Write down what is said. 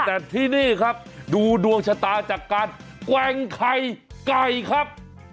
แต่ที่นี่ครับดูดวงชะตาจากการแกว่งไข่ไก่ครับ